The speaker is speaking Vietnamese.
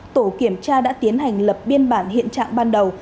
tổ kiểm tra đã tiến hành lập biên bản hiện trạng ban đầu